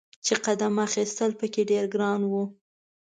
چې قدم اخیستل په کې ډیر ګران و.